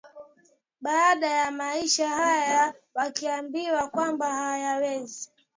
baada ya maisha haya wakiambiwa kwamba hayawezi